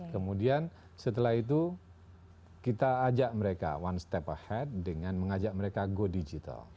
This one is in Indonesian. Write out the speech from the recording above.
kemudian setelah itu kita ajak mereka one step ahead dengan mengajak mereka go digital